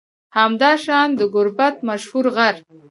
همداشان د گربت مشهور غر